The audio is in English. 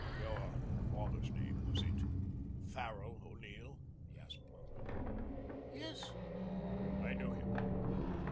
"Your father's name was it Farrell O'Neill?" he asked bluntly. "Yes." "I knew him."